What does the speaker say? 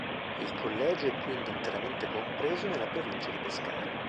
Il collegio è quindi interamente compreso nella provincia di Pescara.